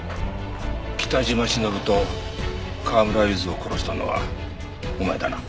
北島しのぶと川村ゆずを殺したのはお前だな。